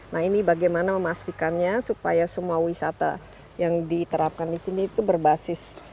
nah ini bagaimana memastikannya supaya semua wisata yang diterapkan di sini itu berbasis